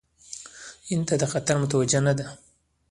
هند ته خطر متوجه نه دی.